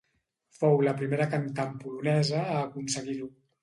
Fou la primera cantant polonesa a aconseguir-ho.